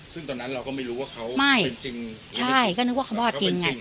ซึ่งตอนนั้นเราก็ไม่รู้ว่าเขาไม่เป็นจริงใช่ก็นึกว่าเขาบอดจริงไง